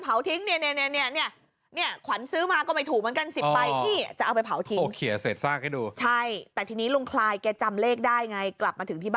เผ่าทิ้งเนี่ยผันซื้อมาก็ไม่ถูกเหมือนกัน๑๐สิไปนี้จะเอาไป